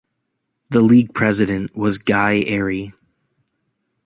The league president was Guy Airey.